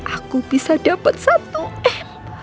aku bisa dapat satu m